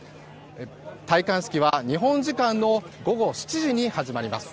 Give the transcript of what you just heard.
戴冠式は日本時間の午後７時に始まります。